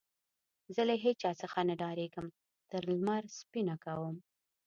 زه له هيچا څخه نه ډارېږم؛ تر لمر يې سپينه کوم.